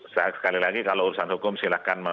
sekali lagi kalau urusan hukum silahkan